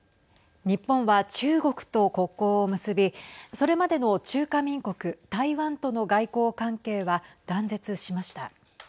日本は中国と国交を結び、それまでの中華民国台湾との外交関係は断絶しました。